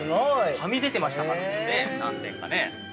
◆はみ出てましたから、何点かね。